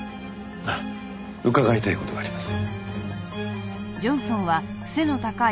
あっ伺いたい事があります。